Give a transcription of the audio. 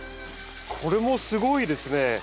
これもすごいですね。